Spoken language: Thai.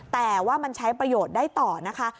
แต่ว่ามันใช้ประโยชน์ได้ต่อนะคะ